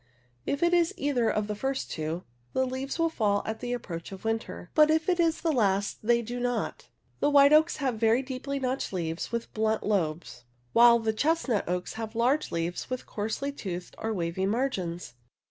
If it is either of the first two, the leaves will fall at the approach of winter, but if it is the last they do not. The white oaks have very deeply notched leaves with blunt lobes, while 64 the chestnut oaks have large leaves with coarsely toothed or v/avy margins.